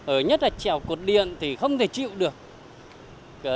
ở nhất là trèo cột điện thì không thể chịu được